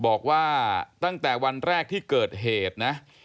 บอกว่าตั้งแต่วันแรกที่เกิดเหตุนะ